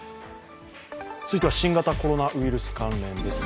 続いては新型コロナウイルス関連です。